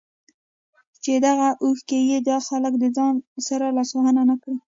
چې دغه اوښکې ئې دا خلک د ځان سره لاهو نۀ کړي